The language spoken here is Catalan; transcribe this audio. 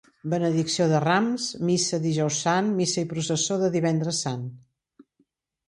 Benedicció de rams, missa Dijous Sant, missa i processó de Divendres Sant.